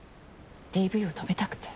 ＤＶを止めたくて。